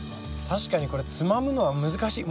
確かにこれつまむのは難しい。